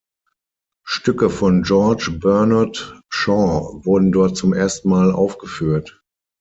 Stücke von George Bernard Shaw wurden dort zum ersten Mal aufgeführt.